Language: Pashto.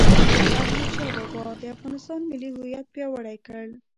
احمدشاه بابا د افغانستان ملي هویت پیاوړی کړ..